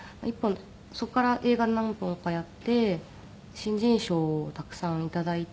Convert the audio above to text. そこから映画何本かやって新人賞をたくさん頂いて。